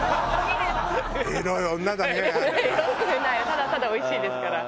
ただただおいしいですから。